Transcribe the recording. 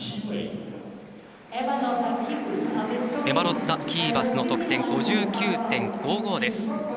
エバロッタ・キーバスの得点５９．５５です。